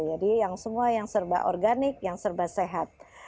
jadi yang semua yang serba organik yang serba sehat